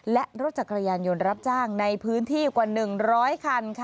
และรถจักรยานยนต์รับจ้างในพื้นที่กว่า๑๐๐คัน